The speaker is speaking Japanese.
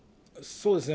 そうですね。